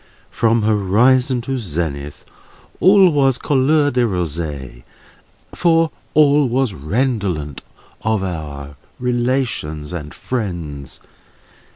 From horizon to zenith all was couleur de rose, for all was redolent of our relations and friends.